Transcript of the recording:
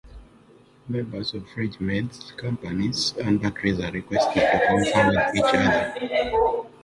Members of regiments, companies and batteries are requested to confer with each other.